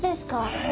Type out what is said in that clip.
はい。